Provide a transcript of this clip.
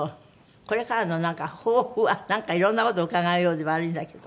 これからのなんか抱負はなんかいろんな事を伺うようで悪いんだけど。